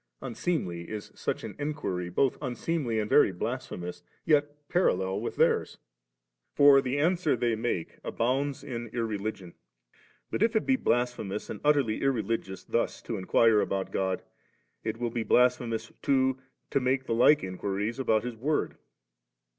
Unseemly is such an enquuy, both unseemly and very bla^hemous^ yet parallel with theuv ; for tiie answer they make abounds in irreligion. But if it be blasphemous and utterly irreligious thus to inquire about God, it will be blasphemous too to make the like in quiries about His Word.